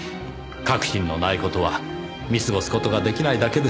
確信のない事は見過ごす事が出来ないだけです。